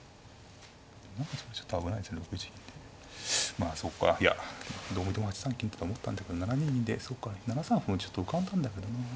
まあそうかいやどこでも８三金とか思ったんだけど７二銀でそっか７三歩もちょっと浮かんだんだけどな。